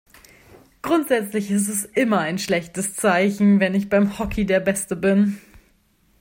Grundsätzlich ist es immer ein schlechtes Zeichen, wenn ich beim Hockey der Beste bin.